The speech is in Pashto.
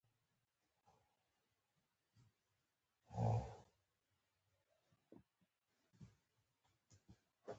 سترګې يې روښانه شوې.